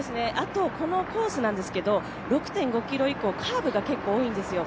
このコースなんですけど６．５ｋｍ以降カーブが結構多いんですよ、